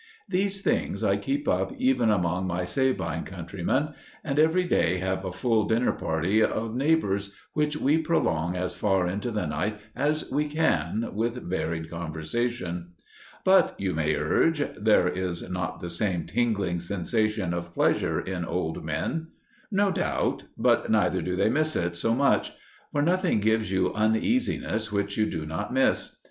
These things I keep up even among my Sabine countrymen, and every day have a full dinner party of neighbours, which we prolong as far into the night as we can with varied conversation. But you may urge there is not the same tingling sensation of pleasure in old men. No doubt; but neither do they miss it so much. For nothing gives you uneasiness which you do not miss.